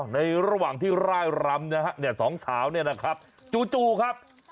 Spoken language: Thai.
ในระหว่างที่ร่ายรำสองสาวจู่ครับ